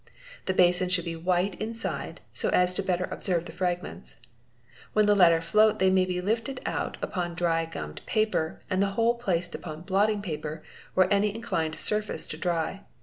The basin should be white inside so as to better observe the fragments. When the latter float they may be lifted out upon dry gummed paper and the whole placed upon blotting paper or any inclined surface to dry.